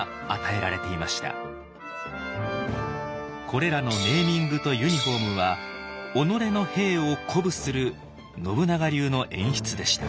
これらのネーミングとユニフォームは己の兵を鼓舞する信長流の演出でした。